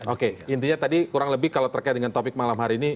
oke intinya tadi kurang lebih kalau terkait dengan topik malam hari ini